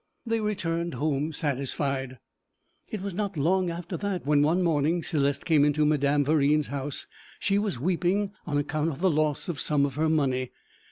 They returned home satisfied. It was not long after that when one morning Céleste came into Madame Verine's house; she was weeping on account of the loss of some of her money.